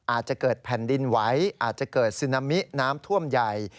อาจจะเกิดแผ่นดินไหวอาจจะเกิดซึนามิน้ำท่วมใหญ่